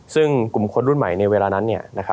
ซึ่งกลุ่มคนรุ่นใหม่ในเวลานั้น